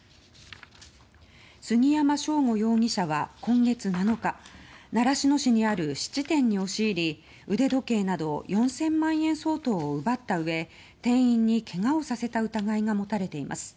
杉山翔吾容疑者は今月７日習志野市にある質店に押し入り腕時計など４０００万円相当を奪ったうえ店員に怪我をさせた疑いが持たれています。